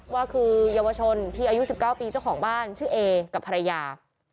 ว่าคือเยาวชนที่อายุ๑๙ปีเจ้าของบ้านชื่อเอกับภรรยา